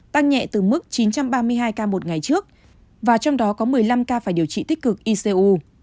tăng nhẹ từ mức chín trăm ba mươi hai ca một ngày trước và trong đó có một mươi năm ca phải điều trị tích cực icu